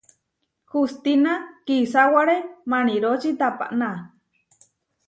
Hustína kisáware maniróči tapaná.